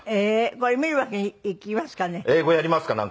これ見るわけにいきますかね？